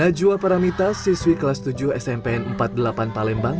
najwa paramita siswi kelas tujuh smpn empat puluh delapan palembang